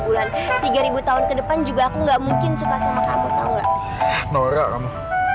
bulan tiga ribu tahun kedepan juga aku nggak mungkin suka sama kamu tahu nggak nora kamu